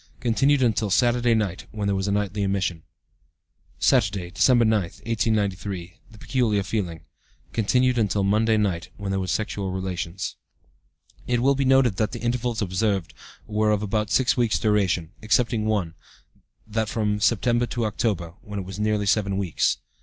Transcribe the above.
(Continued until Saturday night, when there was a nightly emission.) "Saturday, December 9, 1893. The peculiar feeling. (Continued until Monday night, when there was sexual relations.) "It will be noted that the intervals observed were of about six weeks' duration, excepting one, that from September to October, when it was nearly seven weeks.